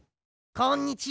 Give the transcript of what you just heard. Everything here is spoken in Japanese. こんにちは。